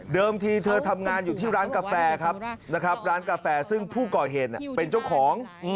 เดิมที่เธอทำงานอยู่ที่ร้านกาแฟซึ่งผู้ก่อเฮนเป็นเจ้าของ